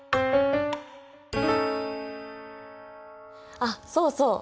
あっそうそう。